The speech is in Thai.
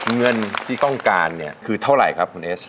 เงินที่ต้องการคือเท่าไรครับคุณเอส